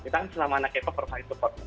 kita kan selama anak k pop percaya support